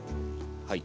はい。